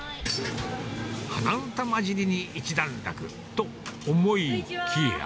鼻歌交じりに一段落、と思いきや。